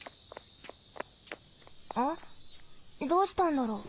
どうしたんだろう。